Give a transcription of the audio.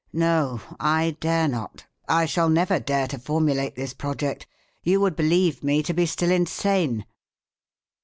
_) No, I dare not, I shall never dare to formulate this project. You would believe me to be still insane.